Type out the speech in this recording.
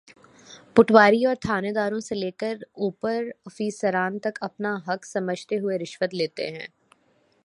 پٹواری اورتھانیداروں سے لے کر اوپر افسران تک اپنا حق سمجھتے ہوئے رشوت لیتے تھے۔